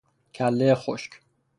کله خشک